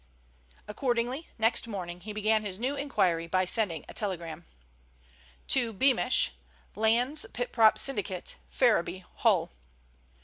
Accordingly next morning he began his new inquiry by sending a telegram. "To BEAMISH, Landes Pit Prop Syndicate, Ferriby, Hull.